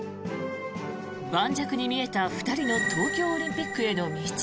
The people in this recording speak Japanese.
盤石に見えた２人の東京オリンピックへの道。